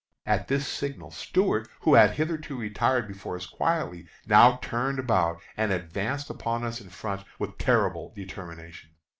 At this signal Stuart, who had hitherto retired before us quietly, now turned about and advanced upon us in front with terrible determination.